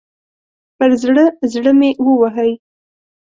پر زړه، زړه مې ووهئ